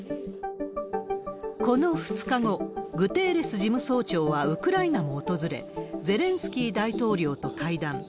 この２日後、グテーレス事務総長はウクライナを訪れ、ゼレンスキー大統領と会談。